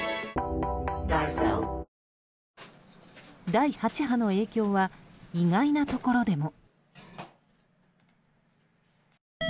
第８波の影響は意外なところでも。